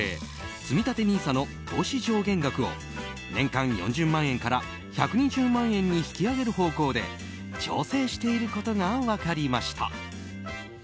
つみたてＮＩＳＡの投資上限額を年間４０万円から１２０万円に引き上げる方向で調整していることが分かりました。